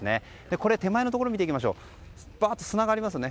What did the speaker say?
これ、手前のところを見ていくと砂がありますね。